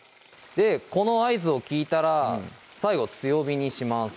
この合図を聞いたら最後強火にします